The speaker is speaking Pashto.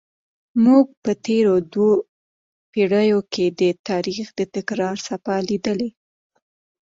موږ په تېرو دوو پیړیو کې د تاریخ د تکرار څپه لیدلې.